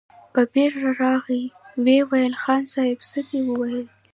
په بېړه راغی، ويې ويل: خان صيب! څه دې ويل؟